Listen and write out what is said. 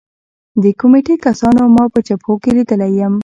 د کمېټې کسانو ما په جبهو کې لیدلی یم